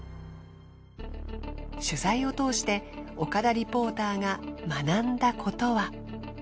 取材を通して岡田リポーターが学んだことは。